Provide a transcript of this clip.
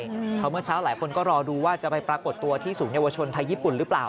เพราะเมื่อเช้าหลายคนก็รอดูว่าจะไปปรากฏตัวที่ศูนยวชนไทยญี่ปุ่นหรือเปล่า